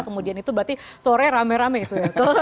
kemudian itu berarti sore rame rame gitu ya